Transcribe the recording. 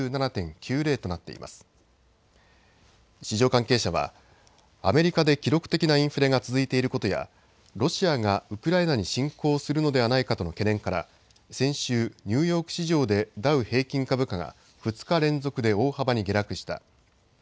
市場関係者はアメリカで記録的なインフレが続いていることやロシアがウクライナに侵攻するのではないかとの懸念から先週、ニューヨーク市場でダウ平均株価が２日連続で大幅に下落した。